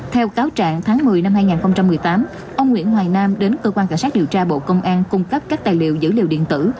theo cáo trạng tháng một mươi năm hai nghìn một mươi tám ông nguyễn hoài nam đến cơ quan cảnh sát điều tra bộ công an cung cấp các tài liệu dữ liệu điện tử